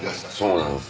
そうなんです。